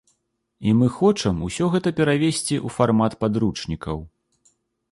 І мы хочам усё гэта перавесці ў фармат падручнікаў.